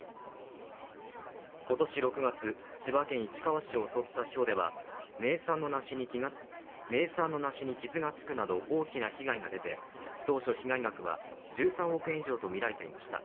今年６月、千葉県市川市を襲ったひょうでは名産の梨に傷がつくなど大きな被害が出て、当初、被害額は１３億円以上とみられていました。